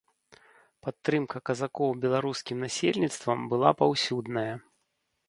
Падтрымка казакоў беларускім насельніцтвам была паўсюдная.